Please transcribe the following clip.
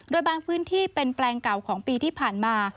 โดยบางพื้นที่เป็นแปลงเก่าของปีที่ผ่านมา